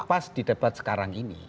pas di debat sekarang ini